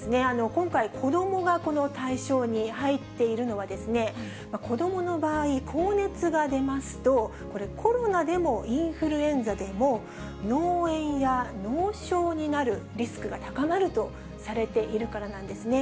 今回、子どもがこの対象に入っているのは、子どもの場合、高熱が出ますと、コロナでもインフルエンザでも、脳炎や脳症になるリスクが高まるとされているからなんですね。